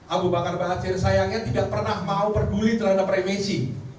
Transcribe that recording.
abu bakar basir sayangnya tidak pernah mau peduli terhadap remisi